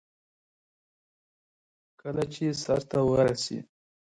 د علامه رشاد لیکنی هنر مهم دی ځکه چې آزادي غواړي.